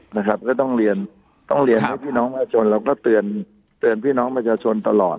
เราก็ต้องเรียนให้พี่น้องประชาชนเราก็เตือนพี่น้องประชาชนตลอด